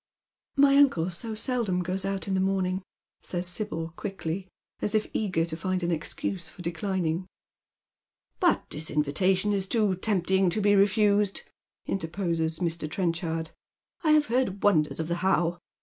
"My uncle so seldom goes out in the morning," says Sibyl, quickly, as if eager to find an excuse for declining. " But this invitation is too tempting to be refused," interposes Mr. Trenchard. " I have heard wonders of the How.